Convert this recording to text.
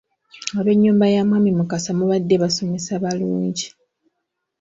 Ab’ennyumba ya mwami Mukasa mubadde basomesa balungi.